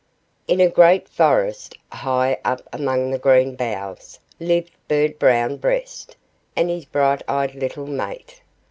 In a great forest, high up among the green boughs, lived Bird Brown Breast, and his bright eyed little mate.